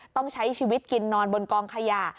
ต้องใช้ชีวิตกินนอนบนกองขยะ